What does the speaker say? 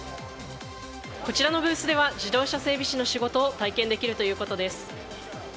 こちらのブースでは、自動車整備士の仕事を体験できるということです。